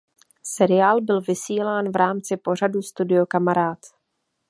Seriál byl vysílán v rámci pořadu Studio Kamarád.